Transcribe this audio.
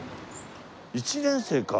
１年生か。